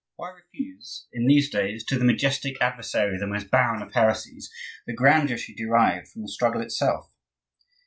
Why refuse, in these days, to the majestic adversary of the most barren of heresies the grandeur she derived from the struggle itself?